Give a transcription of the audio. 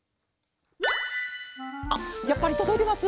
あっやっぱりとどいてます？